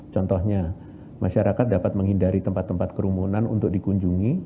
contohnya masyarakat dapat menghindari tempat tempat kerumunan untuk dikunjungi